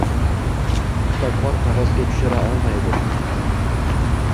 Kitobxon qog’ozga tushira olmaydi.